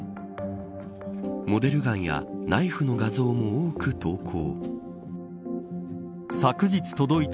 モデルガンやナイフの画像も多く投稿。